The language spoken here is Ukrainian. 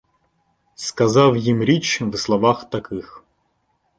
Сказав їм річ в словах таких: